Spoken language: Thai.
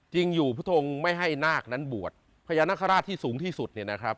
จริงอยู่พุทธองค์ไม่ให้นาคนั้นบวชพญานาคาราชที่สูงที่สุด